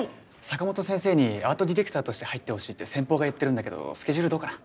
坂本先生にアートディレクターとして入ってほしいって先方が言ってるんだけどスケジュールどうかな？